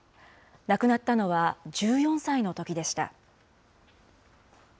亡くなったのは１４歳のときでした。